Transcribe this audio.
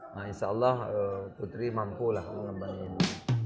nah insya allah putri mampulah mengembangin ini